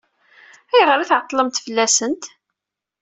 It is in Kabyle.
Ayɣer i tɛeṭṭlemt fell-asent?